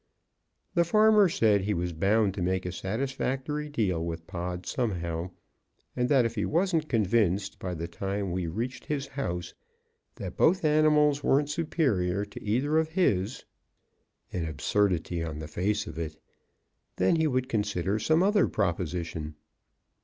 The farmer said he was bound to make a satisfactory deal with Pod somehow, and that if he wasn't convinced by the time we reached his house that both animals weren't superior to either of his (an absurdity on the face of it), then he would consider some other proposition.